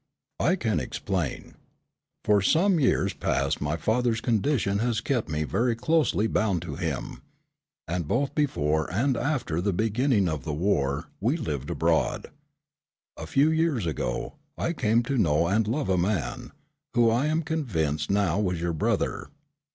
"I can explain. For some years past my father's condition has kept me very closely bound to him, and both before and after the beginning of the war, we lived abroad. A few years ago, I came to know and love a man, who I am convinced now was your brother.